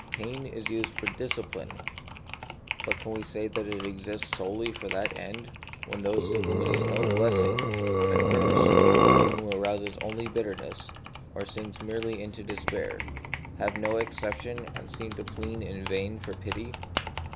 Pain is used for a discipline, but can we say that it exists solely for that end when those to whom it is no blessing, but a curse, whom it rouses only to bitterness, or sinks merely into despair, have no exemption, and seem to plead in vain for pity?